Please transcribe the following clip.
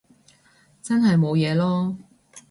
真係冇嘢囉